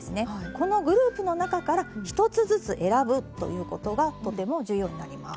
このグループの中から１つずつ選ぶということがとても重要になります。